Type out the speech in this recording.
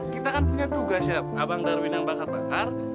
kita kan punya tugas ya abang darminan bakar bakar